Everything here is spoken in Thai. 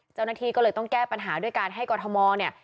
เจ้าหน้าที่ก็เลยต้องแก้ปัญหาด้วยการให้กรทมเนี่ย